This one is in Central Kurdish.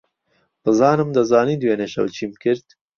بزانم دەزانیت دوێنێ شەو چیم کرد.